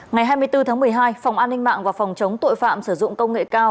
ngày hai mươi bốn tháng một mươi hai phòng an ninh mạng và phòng chống tội phạm sử dụng công nghệ cao